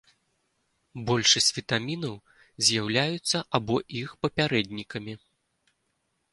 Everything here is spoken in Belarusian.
Большасць вітамінаў з'яўляюцца або іх папярэднікамі.